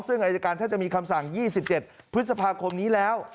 ซึ่งอายการถ้าจะมีคำสั่ง๒๗พฤษภาคมนี้แล้ว